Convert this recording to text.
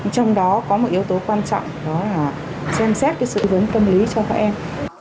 trong đó có một yếu tố quan trọng đó là xem xét cái sự tư vấn tâm lý cho các em